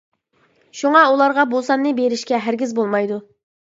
شۇڭا، ئۇلارغا بۇ ساننى بېرىشكە ھەرگىز بولمايدۇ!